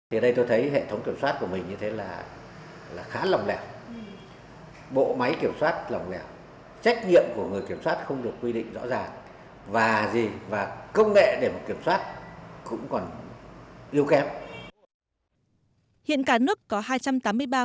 hiện cả nước có hai trăm tám mươi ba khu công nghiệp với hơn năm trăm năm mươi mét khối nước thải một ngày đêm